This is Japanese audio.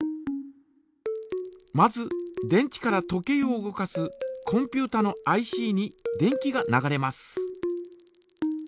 まず電池から時計を動かすコンピュータのＩＣに電気が流れます。